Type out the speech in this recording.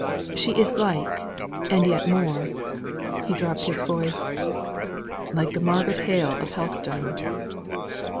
She is like, and yet more," he dropped his voice, "like the Margaret Hale of Helstone."